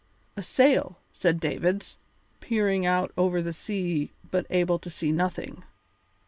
"A sail," said Davids, peering out over the sea but able to see nothing.